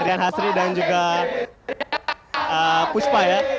rian hasri dan juga puspa ya